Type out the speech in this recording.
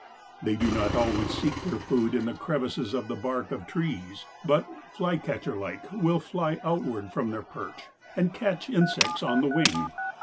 They do not always seek their food in the crevices of the bark of trees but, flycatcher like, will fly outward from their perch and catch insects on the wing.